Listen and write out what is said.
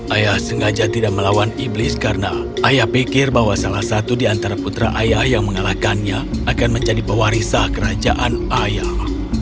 ayah sengaja tidak melawan iblis karena ayah pikir bahwa salah satu di antara putra ayah yang mengalahkannya akan menjadi pewarisah kerajaan ayam